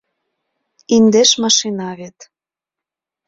Индеш машина вет.